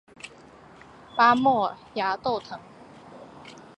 巴莫崖豆藤